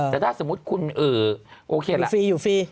แต่ถ้าสมมติคุณโอเคแล้วอยู่ฟรี